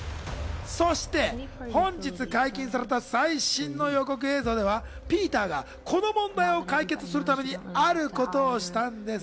そして本日解禁された最新の予告映像では、ピーターがこの問題を解決するためにあることしたんです。